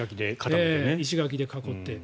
石垣で囲って。